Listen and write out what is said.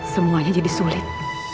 semuanya jadi sulit